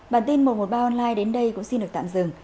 bản tin một trăm một mươi ba online đến đây cũng xin được tạm dừng